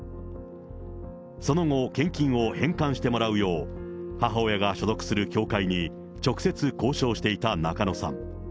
その後、献金を返還してもらうよう、母親が所属する教会に直接交渉していた中野さん。